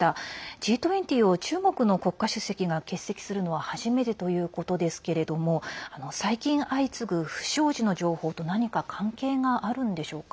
Ｇ２０を中国の国家主席が欠席するのは初めてということですけれども最近、相次ぐ不祥事の情報と何か関係があるんでしょうか。